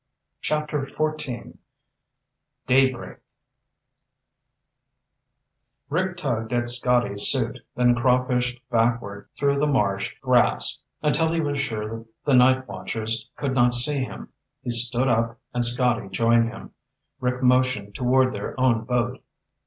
CHAPTER XIV Daybreak Rick tugged at Scotty's suit, then crawfished backward through the marsh grass until he was sure the night watchers could not see him. He stood up, and Scotty joined him. Rick motioned toward their own boat.